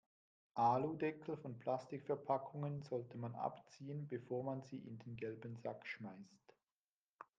Aludeckel von Plastikverpackungen sollte man abziehen, bevor man sie in den gelben Sack schmeißt.